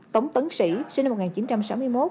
tống tấn sĩ sinh năm một nghìn chín trăm sáu mươi một